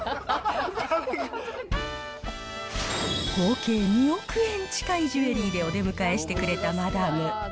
合計２億円近いジュエリーでお出迎えしてくれたマダム。